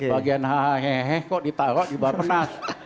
bagian hahaha kok ditaro di bapak nas